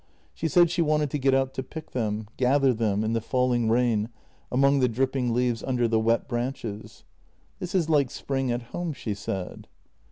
She said she wanted to get out to pick them, gather them in the falling rain among the dripping leaves un der the wet branches. " This is like spring at home," she said.